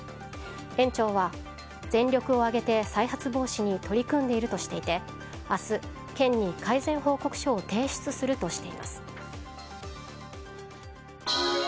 園長は全力を挙げて再発防止に取り組んでいるとしていて明日、県に改善報告書を提出するとしています。